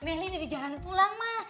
meli ini di jalan pulang mah